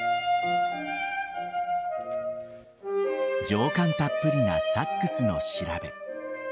情感たっぷりなサックスの調べ。